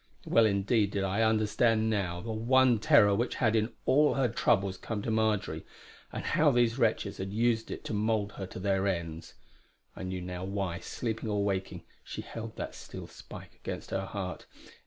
Well indeed did I understand now the one terror which had in all her troubles come to Marjory, and how these wretches had used it to mould her to their ends. I knew now why, sleeping or waking, she held that steel spike against her heart.